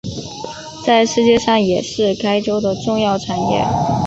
在历史上也是该州的重要产业。